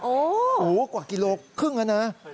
โอ้โหกว่ากิโลครึ่งแล้วนะ